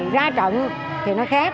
ra trận thì nó khát